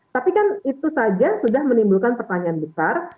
tapi kan itu saja sudah menimbulkan pertanyaan besar